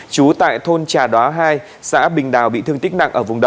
chú tại thôn trà đoá hai xã bình đào bị thương tích